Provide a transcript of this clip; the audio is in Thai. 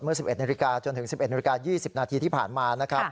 ๑๑นาฬิกาจนถึง๑๑นาฬิกา๒๐นาทีที่ผ่านมานะครับ